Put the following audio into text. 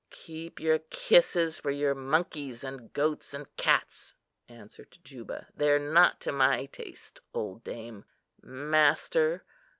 "Keep your kisses for your monkeys and goats and cats," answered Juba; "they're not to my taste, old dame. Master!